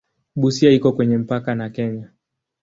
Busia iko kwenye mpaka na Kenya.